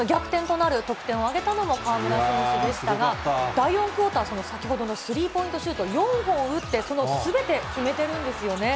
逆転となる得点を挙げたのも、河村選手でしたが、第４クオーター、先ほどのスリーポイントシュートを４本打って、そのすべて決めてるんですよね。